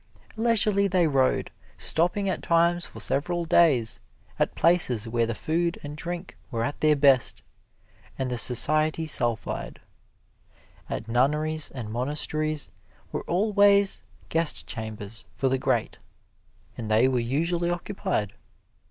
Leisurely they rode stopping at times for several days at places where the food and drink were at their best, and the society sulphide. At nunneries and monasteries were always guest chambers for the great, and they were usually occupied.